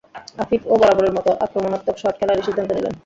আফিফও বরাবরের মতো আক্রমণাত্মক শট খেলারই সিদ্ধান্ত নিলেন।